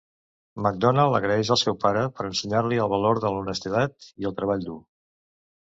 McDonald agraeix el seu pare per ensenyar-li el valor de l'honestedat i el treball dur.